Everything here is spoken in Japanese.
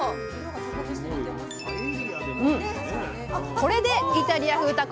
これでイタリア風たこ